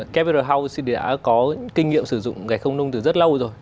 capital house đã có kinh nghiệm sử dụng gạch không nung từ rất lâu rồi